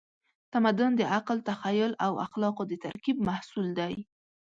تمدن د عقل، تخیل او اخلاقو د ترکیب محصول دی.